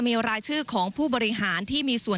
มีรายชื่อของผู้บริหารที่มีส่วน